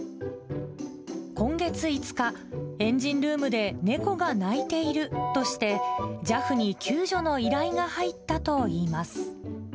今月５日、エンジンルームで猫が鳴いているとして、ＪＡＦに救助の依頼が入ったといいます。